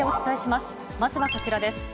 まずはこちらです。